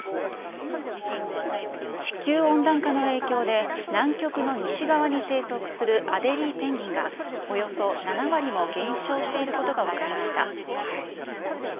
地球温暖化の影響で、南極の西側に生息するアデリーペンギンが、およそ７割も減少していることが分かりました。